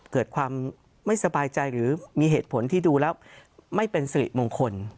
เกิดความไม่สบายใจหรือมีเหตุผลที่ดูแล้วไม่เป็นสิริมงคล